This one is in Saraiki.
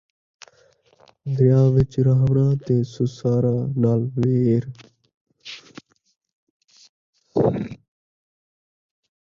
دریا وچ رہوݨا تے سساراں نال ویر